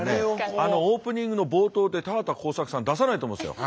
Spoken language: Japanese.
あのオープニングの冒頭で田畑耕作さん出さないと思うんですよ。